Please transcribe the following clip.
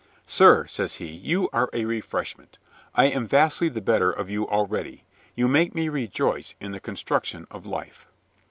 "Sir," says he, "you are a refreshment. I am vastly the better of you already. You make me rejoice in the construc tion of life."